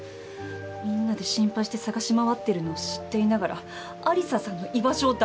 みんなで心配して捜し回ってるのを知っていながら有沙さんの居場所を黙ってた。